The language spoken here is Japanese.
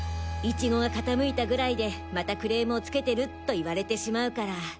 苺が傾いたぐらいでまたクレームをつけてるっと言われてしまうから。